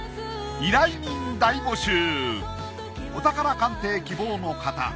お宝鑑定希望の方